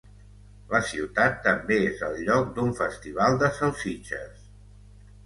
La ciutat també és el lloc d'un festival de salsitxes.